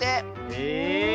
へえ。